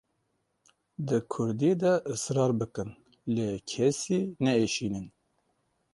Di Kurdî de israr bikin lê kesî neêşînin.